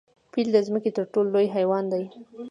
پیل د ځمکې تر ټولو لوی حیوان دی